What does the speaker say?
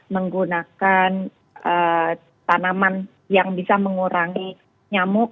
menggunakan tanaman yang bisa mengurangi nyamuk